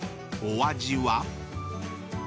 ［お味は？］